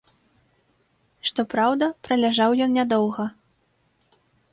Што праўда, праляжаў ён нядоўга.